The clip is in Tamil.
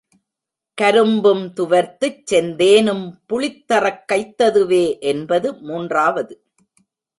கரும்பும் துவர்த்துச் செந்தேனும் புளித்தறக் கைத் ததுவே என்பது மூன்றாவது.